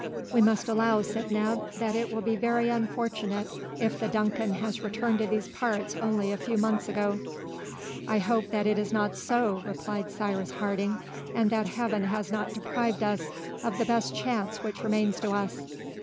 "We must allow," said Neb, "that it will be very unfortunate if the Duncan has returned to these parts only a few months ago!" "I hope that it is not so," replied Cyrus Harding, "and that Heaven has not deprived us of the best chance which remains to us."